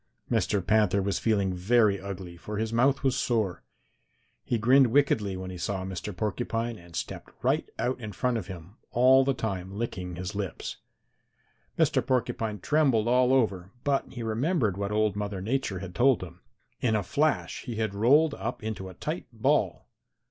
"Mr. Panther was feeling very ugly, for his mouth was sore. He grinned wickedly when he saw Mr. Porcupine and stepped right out in front of him, all the time licking his lips. Mr. Porcupine trembled all over, but he remembered what old Mother Nature had told him. In a flash he had rolled up into a tight ball.